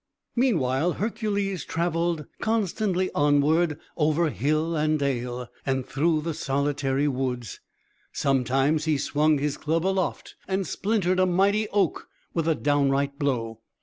Meanwhile, Hercules travelled constantly onward, over hill and dale, and through the solitary woods. Sometimes he swung his club aloft, and splintered a mighty oak with a downright blow.